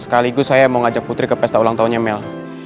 sekaligus saya mau ngajak putri ke pesta ulang tahunnya mel